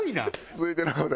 続いてのお題